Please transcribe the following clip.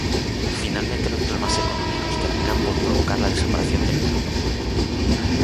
Finalmente los problemas económicos terminan por provocar la desaparición del club.